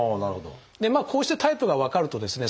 こうしてタイプが分かるとですね